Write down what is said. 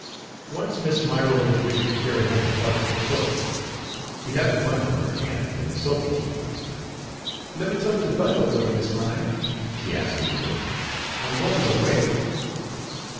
Once Miss Myrover wished to carry home a parcel of books. She had the bundle in her hand when Sophy came up. "Lemme tote yo' bundle fer yer, Miss Ma'y?" she asked eagerly. " I'm gwine yo' way."